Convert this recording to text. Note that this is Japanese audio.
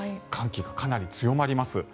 寒気がかなり強まります。